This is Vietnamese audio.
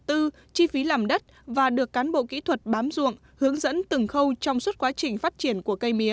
tư chi phí làm đất và được cán bộ kỹ thuật bám dụng hướng dẫn từng khâu trong suốt quá trình phát triển của cây mía